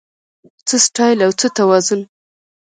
څه سټایل او څه توازن